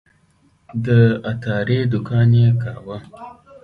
د عطاري دوکان یې کاوه.